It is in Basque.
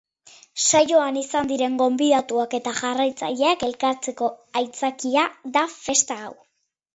Saioan izan diren gonbidatuak eta jarraitzaileak elkartzeko aitzakia da festa hau.